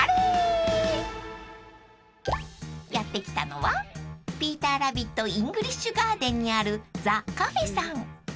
［やって来たのはピーターラビットイングリッシュガーデンにあるカフェさん］